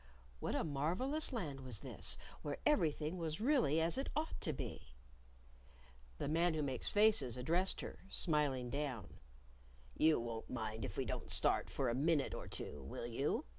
(What a marvelous Land was this where everything was really as it ought to be!) The Man Who Makes Faces addressed her, smiling down. "You won't mind if we don't start for a minute or two, will you?"